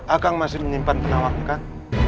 agang masih menyimpan penawar kan